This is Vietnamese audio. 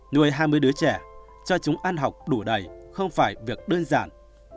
nuôi hai mươi đứa trẻ cho chúng ăn học đủ đầy không phải việc đơn giản